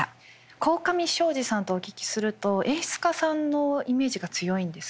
鴻上尚史さんとお聞きすると演出家さんのイメージが強いんですけども。